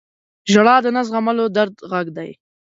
• ژړا د نه زغملو درد غږ دی.